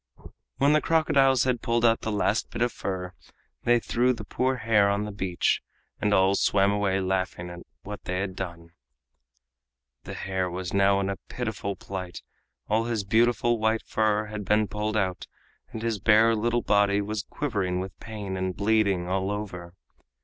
When the crocodiles had pulled out the last bit of fur, they threw the poor hare on the beach, and all swam away laughing at what they had done. The hare was now in a pitiful plight, all his beautiful white fur had been pulled out, and his bare little body was quivering with pain and bleeding all over.